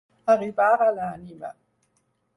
Arribar a l'ànima.